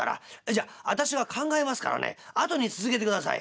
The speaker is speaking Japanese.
じゃあ私が考えますからね後に続けて下さい。